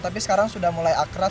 tapi sekarang sudah mulai akrab